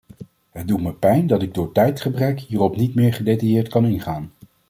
Het doet me pijn dat ik door tijdgebrek hierop niet meer gedetailleerd kan ingaan.